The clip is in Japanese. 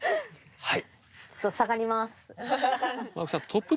はい。